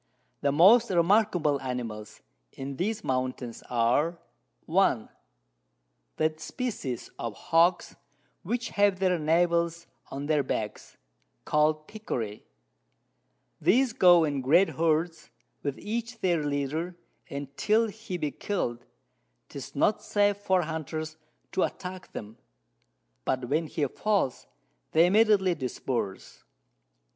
The most remarkable Animals in these Mountains are, 1. that Species of Hogs which have their Navels on their Backs, call'd Pecarys, these go in great Herds, with each their Leader, and till he be kill'd, 'tis not safe for Hunters to attack them, but when he falls, they immediately disperse.